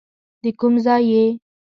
د کوم ځای یې.